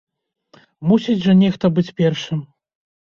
Мусіць жа нехта быць першым.